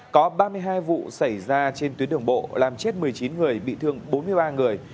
có ba mươi hai vụ xảy ra trên tuyến đường bộ làm chết một mươi chín người bị thương bốn mươi ba người